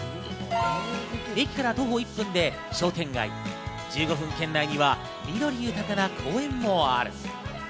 駅から徒歩１分で商店街、１５分圏内には緑豊かな公園もある。